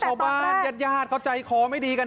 ชาวบ้านยาดเขาใจคอไม่ดีกัน